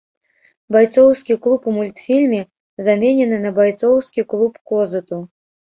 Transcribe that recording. Байцоўскі клуб у мультфільме заменены на байцоўскі клуб козыту.